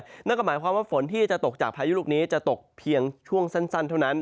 นั่นก็หมายความว่าฝนที่จะตกจากพายุลูกนี้จะตกเพียงช่วงสั้นเท่านั้น